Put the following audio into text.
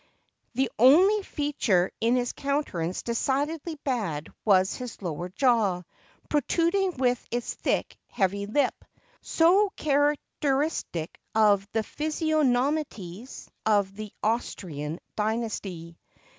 The only fea ture in his countenance decidedly bad was his lower jaw, protruding with its thick, heavy Hp, so characteristic of the physiognomies of the Austrian dynasty.